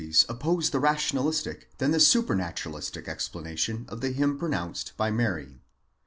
No fewer difficulties oppose the rationalistic than the supranaturalistic ex planation of the hymn pronounced by Mary.